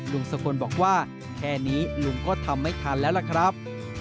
สกลบอกว่าแค่นี้ลุงก็ทำไม่ทันแล้วล่ะครับ